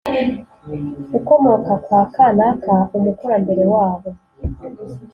ukomoka kwa kanaka umukurambere wabo